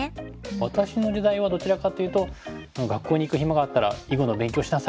私の時代はどちらかというと「学校に行く暇があったら囲碁の勉強しなさい！」